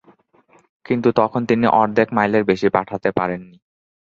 কিন্তু তখন তিনি অর্ধেক মাইলের বেশি পাঠাতে পারেন নি।